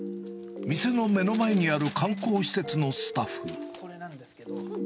店の目の前にある観光施設のスタッフ。